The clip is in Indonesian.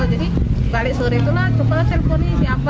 jadi balik sore itu lah coba teleponnya siapa